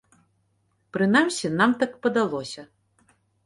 Прынамсі, нам так падалося.